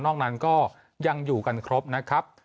นั้นก็ยังอยู่กันครบนะครับ